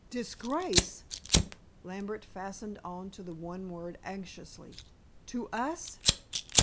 "Disgrace?" Lambert fastened on the one word anxiously. "To us?"